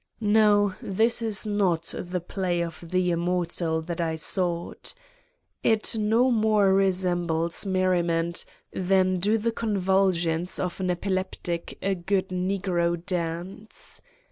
... No, this is not the play of the Immortal that I sought. It no more resembles merriment than do the convulsions of an epileptic a good negro dance